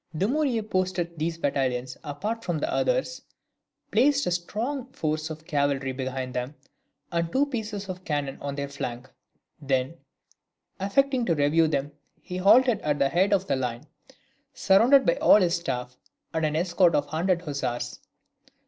Dumouriez posted these battalions apart from the others, placed a strong force of cavalry behind them, and two pieces of cannon on their flank. Then, affecting to review them, he halted at the head of the line, surrounded by all his staff, and an escort of a hundred hussars.